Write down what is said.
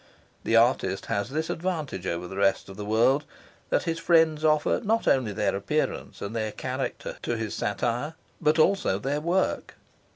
The artist has this advantage over the rest of the world, that his friends offer not only their appearance and their character to his satire, but also their work.